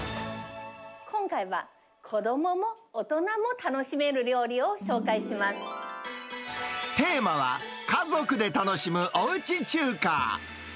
今回は、子どもも大人も楽しテーマは、家族で楽しむおうち中華。